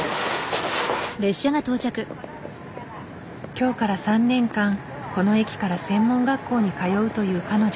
今日から３年間この駅から専門学校に通うという彼女。